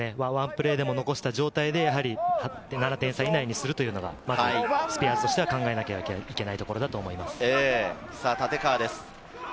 ワンプレーでも残した状態で７点差以内にするというのが、まずスピアーズとしては考えなければいけないことだと思います。